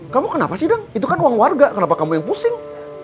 kamu kenapa sih dong itu kan uang warga kenapa kamu yang pusing